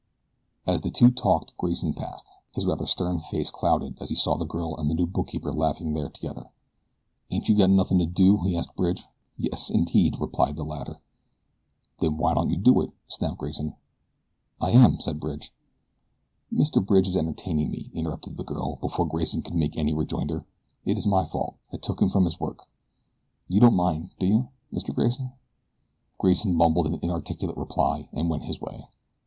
As the two talked Grayson passed. His rather stern face clouded as he saw the girl and the new bookkeeper laughing there together. "Ain't you got nothin' to do?" he asked Bridge. "Yes, indeed," replied the latter. "Then why don't you do it?" snapped Grayson. "I am," said Bridge. "Mr. Bridge is entertaining me," interrupted the girl, before Grayson could make any rejoinder. "It is my fault I took him from his work. You don't mind, do you, Mr. Grayson?" Grayson mumbled an inarticulate reply and went his way.